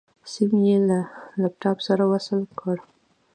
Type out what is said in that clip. سيم يې له لپټاپ سره وصل کړ.